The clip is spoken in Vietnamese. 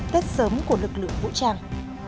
tết sớm của lực lượng vũ trang